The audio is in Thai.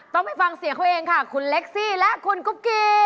ต้องไปฟังเสียงเขาเองค่ะคุณเล็กซี่และคุณกุ๊กกี้